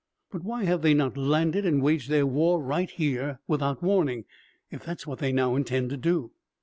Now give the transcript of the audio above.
"But why have they not landed and waged their war right here without warning, if that is what they now intend to do?"